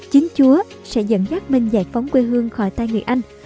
chính chúa sẽ dẫn dắt mình giải phóng quê hương khỏi tay người anh